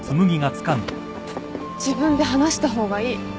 自分で話した方がいい。